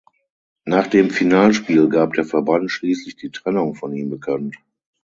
Nach dem Finalspiel gab der Verband schließlich die Trennung von ihm bekannt.